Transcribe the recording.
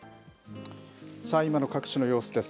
さあ今の各地の様子です。